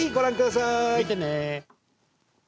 見てね！